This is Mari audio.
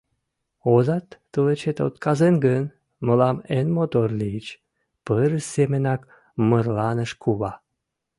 — Озат тылечет отказен гын, мылам эн мотор лийыч, — пырыс семынак мырланыш кува.